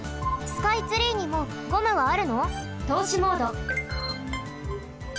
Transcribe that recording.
スカイツリーにもゴムはあるの？とうしモード。